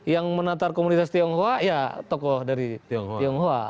yang menatar komunitas tionghoa ya tokoh dari tionghoa